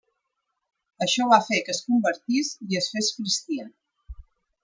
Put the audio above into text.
Això va fer que es convertís i es fes cristià.